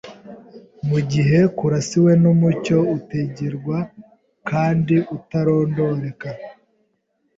mu gihe kurasiwe n’umucyo utegerwa kandi utarondoreka.